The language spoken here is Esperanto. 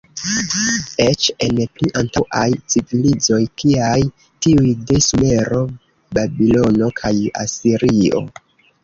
Eĉ en pli antaŭaj civilizoj kiaj tiuj de Sumero, Babilono kaj Asirio.